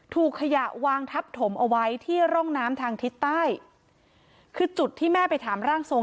ถูกขยะวางทับถมเอาไว้ที่ร่องน้ำทางทิศใต้คือจุดที่แม่ไปถามร่างทรง